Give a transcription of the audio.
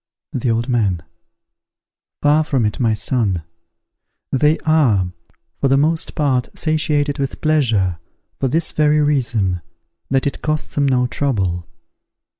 The Old Man. Far from it, my son! They are, for the most part satiated with pleasure, for this very reason, that it costs them no trouble.